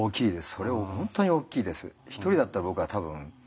それは本当に大きいです。